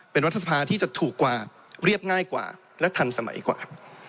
เป็นรัฐสภาที่จะถูกกว่าเรียบง่ายกว่าและทันสมัยกว่า